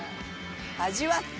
「味わって！」